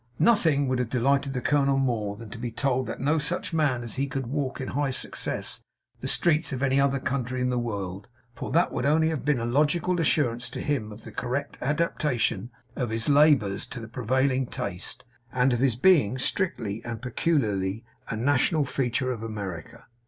Nothing would have delighted the colonel more than to be told that no such man as he could walk in high success the streets of any other country in the world; for that would only have been a logical assurance to him of the correct adaptation of his labours to the prevailing taste, and of his being strictly and peculiarly a national feature of America.